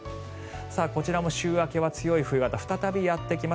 こちらも週明けは強い冬型が再びやってきます。